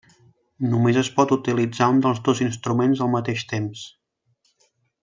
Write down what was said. Només es pot utilitzar un dels dos instruments al mateix temps.